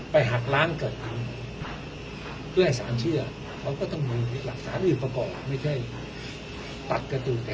ไปหักล้างเกิดด้วยสารเชื่อเขาก็ต้องมีหลักศาลอีกประกอบไม่ใช่ตัดกระตูแท้นั้น